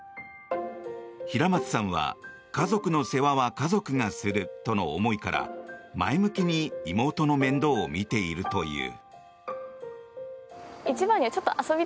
平松さんは、家族の世話は家族がするとの思いから前向きに妹の面倒を見ているという。